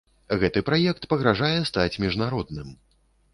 Гэты праект пагражае стаць міжнародным.